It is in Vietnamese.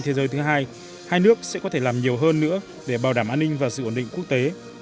thế giới thứ hai hai nước sẽ có thể làm nhiều hơn nữa để bảo đảm an ninh và sự ổn định quốc tế